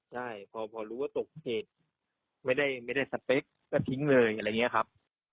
ใช่พอรู้ว่าตกเขตไม่ได้สเปคก็ทิ้งเลยอะไรอย่างนี้ครับ